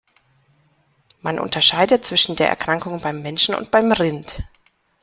Man unterscheidet zwischen der Erkrankung beim Menschen und beim Rind.